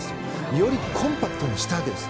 よりコンパクトにしたわけです。